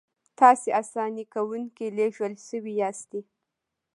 تاسې اساني کوونکي لېږل شوي یاستئ.